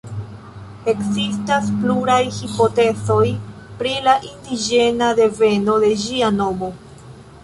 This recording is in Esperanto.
Ekzistas pluraj hipotezoj pri la indiĝena deveno de ĝia nomo.